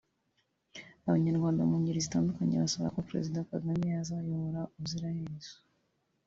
Abanyarwanda mu ngeri zitandukanye basaba ko Perezida Kagame yazabayobora ubuziraherezo